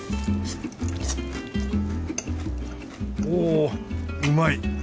おっうまい！